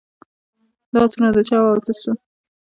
دا آسونه د چا وه او څه سوه.